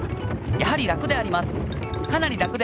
かなり楽であります。